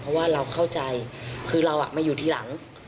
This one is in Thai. เพราะว่าเราเข้าใจคือเรามาอยู่ทีหลัง